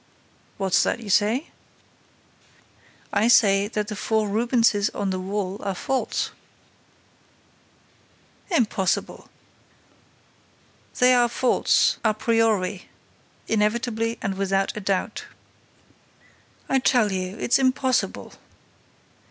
"What's that you say?" "I say that the four Rubenses on that wall are false." "Impossible!" "They are false a priori, inevitably and without a doubt." "I tell you, it's impossible."